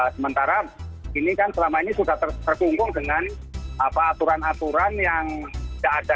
sementara ini kan selama ini sudah terkungkung dengan aturan aturan yang tidak ada